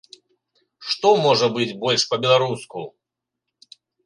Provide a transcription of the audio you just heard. Што можа быць больш па-беларуску!